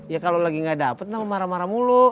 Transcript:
ya kalau lagi gak dapet kenapa marah marah mulu